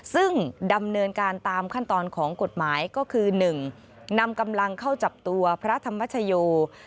ซึ่งดำเนินการตามขั้นตอนของกฎหมายก็คือ๑นำกำลังเข้าจับตัวพระธรรมชโย